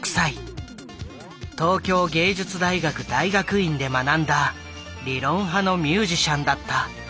東京藝術大学大学院で学んだ理論派のミュージシャンだった。